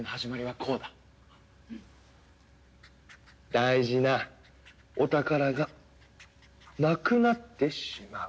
「大事なお宝がなくなってしまう」。